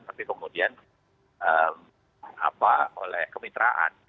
tapi kemudian oleh kemitraan